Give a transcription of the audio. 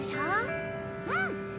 うん！